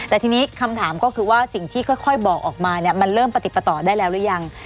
แต่ทีนี้คำถามก็คือว่าสิ่งที่ค่อยบอกออกมาเนี่ยมันเริ่มปฏิปต่อได้แล้วหรือยัง